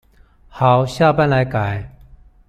好，下班來改